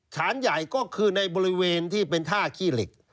ฐานใหญ่ก็คือในบริเวณที่เป็นท่าขี้เหล็ก